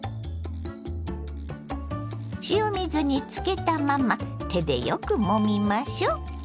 塩水につけたまま手でよくもみましょう。